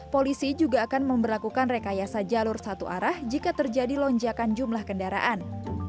polisi juga akan memperlakukan rekayasa jalur satu arah jika terjadi lonjakan jumlah kendaraan